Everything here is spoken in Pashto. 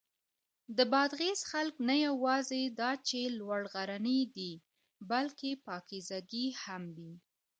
د بادغیس خلک نه یواځې دا چې لوړ غرني دي، بلکې پاکیزګي هم دي.